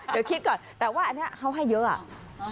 เดี๋ยวคิดก่อนแต่ว่าอันนี้เขาให้เยอะอ่ะ